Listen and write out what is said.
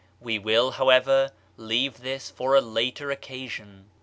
We will, however, leave this for a later occasion.